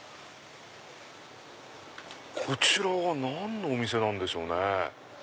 こちらは何のお店なんでしょうね。